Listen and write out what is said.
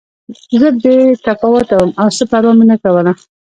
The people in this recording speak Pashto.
زه بې تفاوته وم او څه پروا مې نه کوله